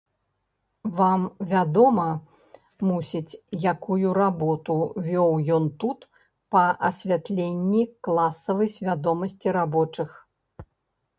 Вам вядома, мусіць, якую работу вёў ён тут па асвятленні класавай свядомасці рабочых.